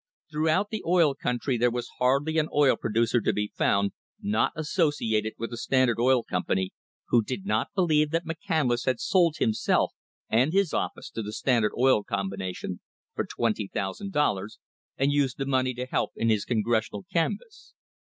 Throughout the oil country there was hardly an oil producer to be found not associated with the Standard Oil Company who did not believe that McCandless had sold him self and his office to the Standard Oil Combination for $20, 000, and used the money to help in his Congressional canvass.